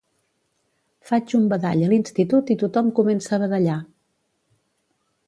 Faig un badall a l'institut i tothom comença a badallar.